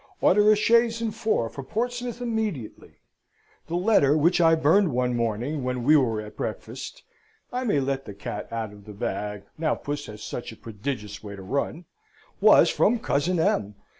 Order a chaise and four for Portsmouth immediately! The letter which I burned one morning when we were at breakfast (I may let the cat out of the bag, now puss has such a prodigious way to run) was from cousin M.